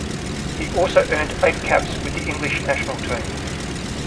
He also earned eight caps with the English national team.